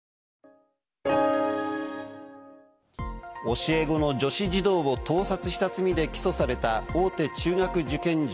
教え子の女子児童を盗撮した罪で起訴された大手中学受験塾